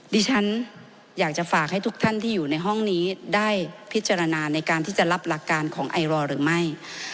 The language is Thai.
ดิฉันอยากจะฝากให้ทุกท่านที่อยู่ในห้องนี้ได้พิจารณาในการที่จะรับหลักการของไอรอหรือไม่